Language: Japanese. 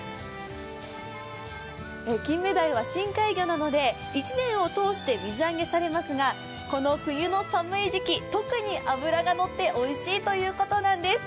キンメダイは深海魚なので１年を通して水揚げされますがこの冬の寒い時期、特に脂がのっておいしいということなんです。